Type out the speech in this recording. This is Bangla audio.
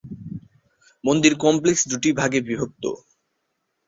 মন্দির কমপ্লেক্সটি দুই ভাগে বিভক্ত।